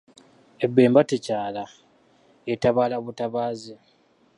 Ebemba tekyala, etabaala butabaazi.